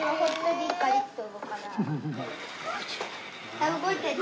あっ動いてる。